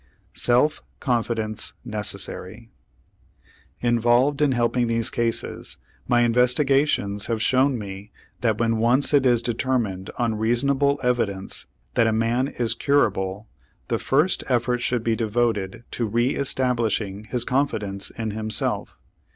SELF CONFIDENCE NECESSARY Involved in helping these cases, my investigations have shown me that when once it is determined on reasonable evidence that a man is curable, the first effort should be devoted to reëstablishing his confidence in himself.